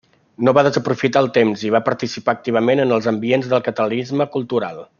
No va desaprofitar el temps i va participar activament en els ambients del catalanisme cultural.